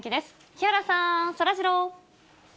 木原さん、そらジロー。